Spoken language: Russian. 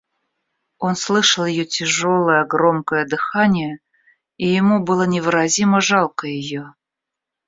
Он слышал ее тяжелое, громкое дыхание, и ему было невыразимо жалко ее.